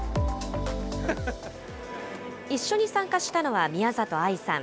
一緒に参加したのは宮里藍さん。